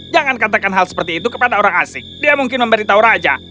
jangan katakan hal seperti itu kepada orang asing dia mungkin memberitahu raja